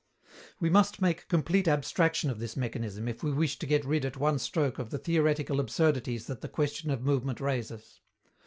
We must make complete abstraction of this mechanism, if we wish to get rid at one stroke of the theoretical absurdities that the question of movement raises.